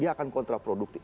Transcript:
dia akan kontraproduktif